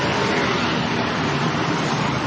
เพราะเราอยากเลิกเวลารันแล้วก็ช่วยจัง